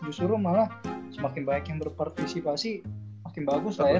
justru malah semakin banyak yang berpartisipasi makin bagus lah ya